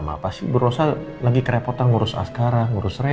maka si bu rosa lagi kerepotan ngurus askara ngurus rena